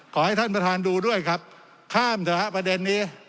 ขอให้ท่านประธานดูด้วยครับข้ามเถอะครับประเด็นนี้